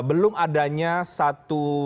belum adanya satu